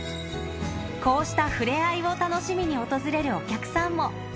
こうした触れ合いを楽しみに訪れるお客さんも。